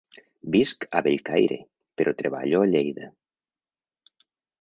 Visc a Bellcaire, però treballo a Lleida.